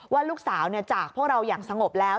ว่าลูกสาวจากพวกเราอย่างสงบแล้ว